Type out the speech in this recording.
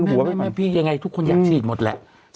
ไม่พี่อย่างไรทุกคนอยากฉีดหมดแหละ